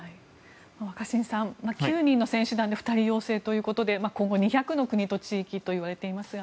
若新さん、９人の選手団で２人陽性ということで今後、２００の国と地域といわれていますが。